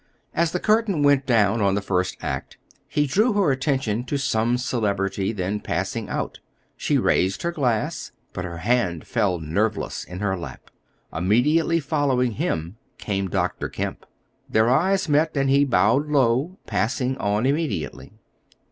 As the curtain went down on the first act, he drew her attention to some celebrity then passing out. She raised her glass, but her hand fell nerveless in her lap. Immediately following him came Dr. Kemp. Their eyes met, and he bowed low, passing on immediately.